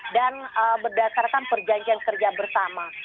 dan berdasarkan perjanjian kerja bersama